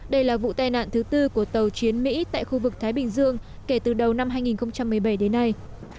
đây là vụ tai nạn thứ tư của tàu chiến mỹ tại khu vực thái bình dương kể từ đầu năm hai nghìn một mươi bảy đến nay